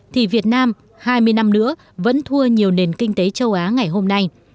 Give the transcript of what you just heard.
thì việt nam hai mươi năm nữa vẫn thua nhiều nền kinh tế châu á ngày hôm nay